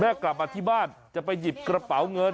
กลับมาที่บ้านจะไปหยิบกระเป๋าเงิน